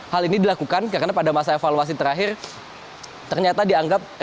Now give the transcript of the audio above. hal ini dilakukan karena pada masa evaluasi terakhir ternyata dianggap